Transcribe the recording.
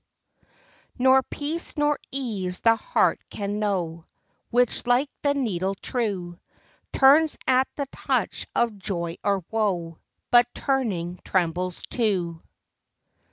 Nor peace nor ease the heart can know, Which like the needle true, Turns at the touch of Joy or Woe, But, turning trembles too.